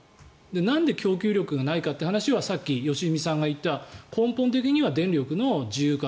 なんで供給力がないかって話はさっき良純さんが言った根本的には電力の自由化